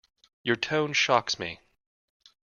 Your tone shocks me.